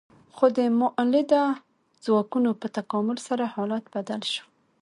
خو د مؤلده ځواکونو په تکامل سره حالت بدل شو.